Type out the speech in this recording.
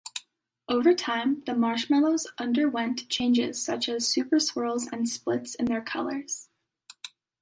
Over time, the marshmallows underwent changes such as super-swirls and splits in their colors.